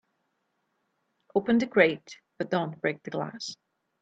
Open the crate but don't break the glass.